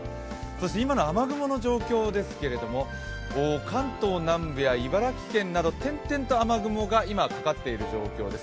今の雨雲の状況ですけれども、関東南部や茨城県など点々と雨雲が今、かかっている状況です。